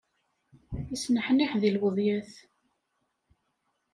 Isneḥniḥ deg lweḍyat.